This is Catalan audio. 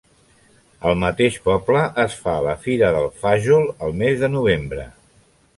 Al mateix poble es fa la Fira del fajol el mes de novembre.